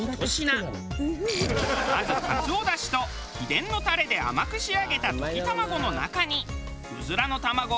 まずカツオ出汁と秘伝のタレで甘く仕上げた溶き卵の中に。